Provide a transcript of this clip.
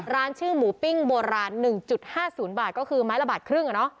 ร้านชื่อหมูปิ้งโบราณ๑๕๐บาทก็คือไม้ละบาทครึ่ง